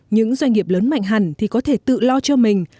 những doanh nghiệp lớn mạnh hẳn thì có thể tự lo cho mình